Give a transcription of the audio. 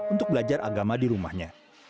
untuk belajar agama di rumahnya